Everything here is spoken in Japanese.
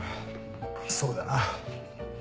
そうだな。